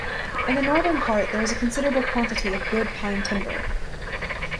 In the Northern part there is a considerable quantity of good Pine timber.